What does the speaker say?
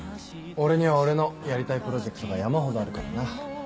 俺には俺のやりたいプロジェクトが山ほどあるからな。